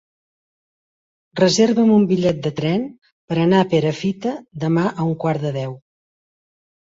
Reserva'm un bitllet de tren per anar a Perafita demà a un quart de deu.